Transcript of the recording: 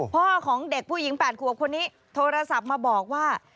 พ่อของเด็กผู้หญิง๘ขวบคนนี้โทรศัพท์มาบอกว่า